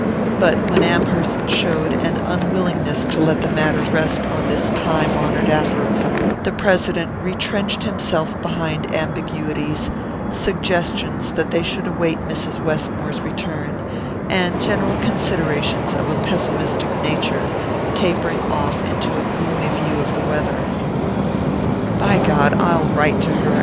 But when Amherst showed an unwillingness to let the matter rest on this time honoured aphorism, the President retrenched himself behind ambiguities, suggestions that they should await Mrs. Westmore's return, and general considerations of a pessimistic nature, tapering off into a gloomy view of the weather. "By God, I'll write to her!"